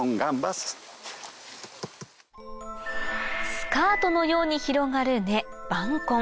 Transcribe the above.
スカートのように広がる根板根